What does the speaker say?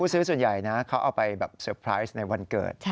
ซื้อส่วนใหญ่นะเขาเอาไปแบบเซอร์ไพรส์ในวันเกิด